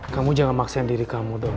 kamu jangan maksain diri kamu dong